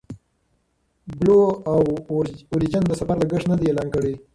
بلو اوریجن د سفر لګښت نه دی اعلان کړی.